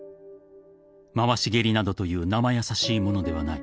［回し蹴りなどという生易しいものではない］